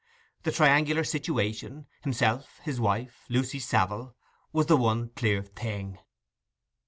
The triangular situation—himself—his wife—Lucy Savile—was the one clear thing.